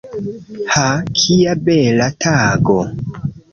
Ha, kia bela tago!